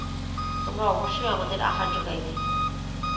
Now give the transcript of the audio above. তোমরা অবশ্যই আমাদের আহার যোগাইবে।